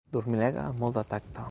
Dormilega amb molt de tacte.